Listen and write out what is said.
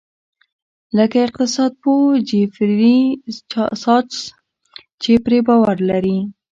لکه اقتصاد پوه جیفري ساچس چې پرې باور لري.